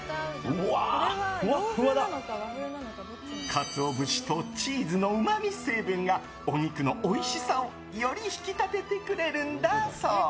カツオ節とチーズのうまみ成分がお肉のおいしさをより引き立ててくれるんだそう。